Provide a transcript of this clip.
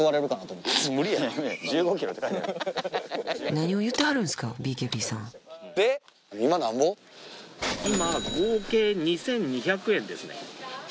何を言うてはるんすかＢＫＢさん今合計２２００円ですね。